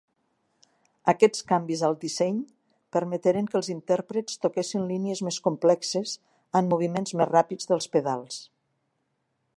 Aquests canvis al disseny permeteren que els intèrprets toquessin línies més complexes, amb moviments més ràpids dels pedals.